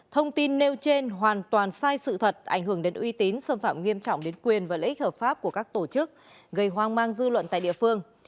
thông tin nêu trên hoàn toàn sai sự thật ảnh hưởng đến uy tín xâm phạm nghiêm trọng đến quyền và lợi ích hợp pháp của các tổ chức gây hoang mang dư luận tại địa phương